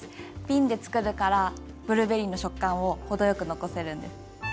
びんで作るからブルーベリーの食感を程よく残せるんです。